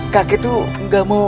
kakek tuh gak mau